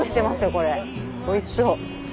これおいしそう。